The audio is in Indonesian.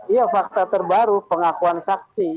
iya fakta terbaru pengakuan saksi